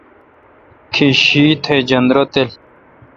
کیش شیی تھ جندر تالیل۔